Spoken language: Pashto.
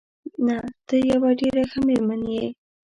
نه، ته یوه ډېره ښه مېرمن یې.